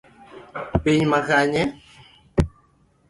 pi makanye?